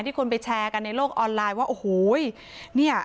คนไปแชร์กันในโลกออนไลน์ว่าโอ้โหเนี่ย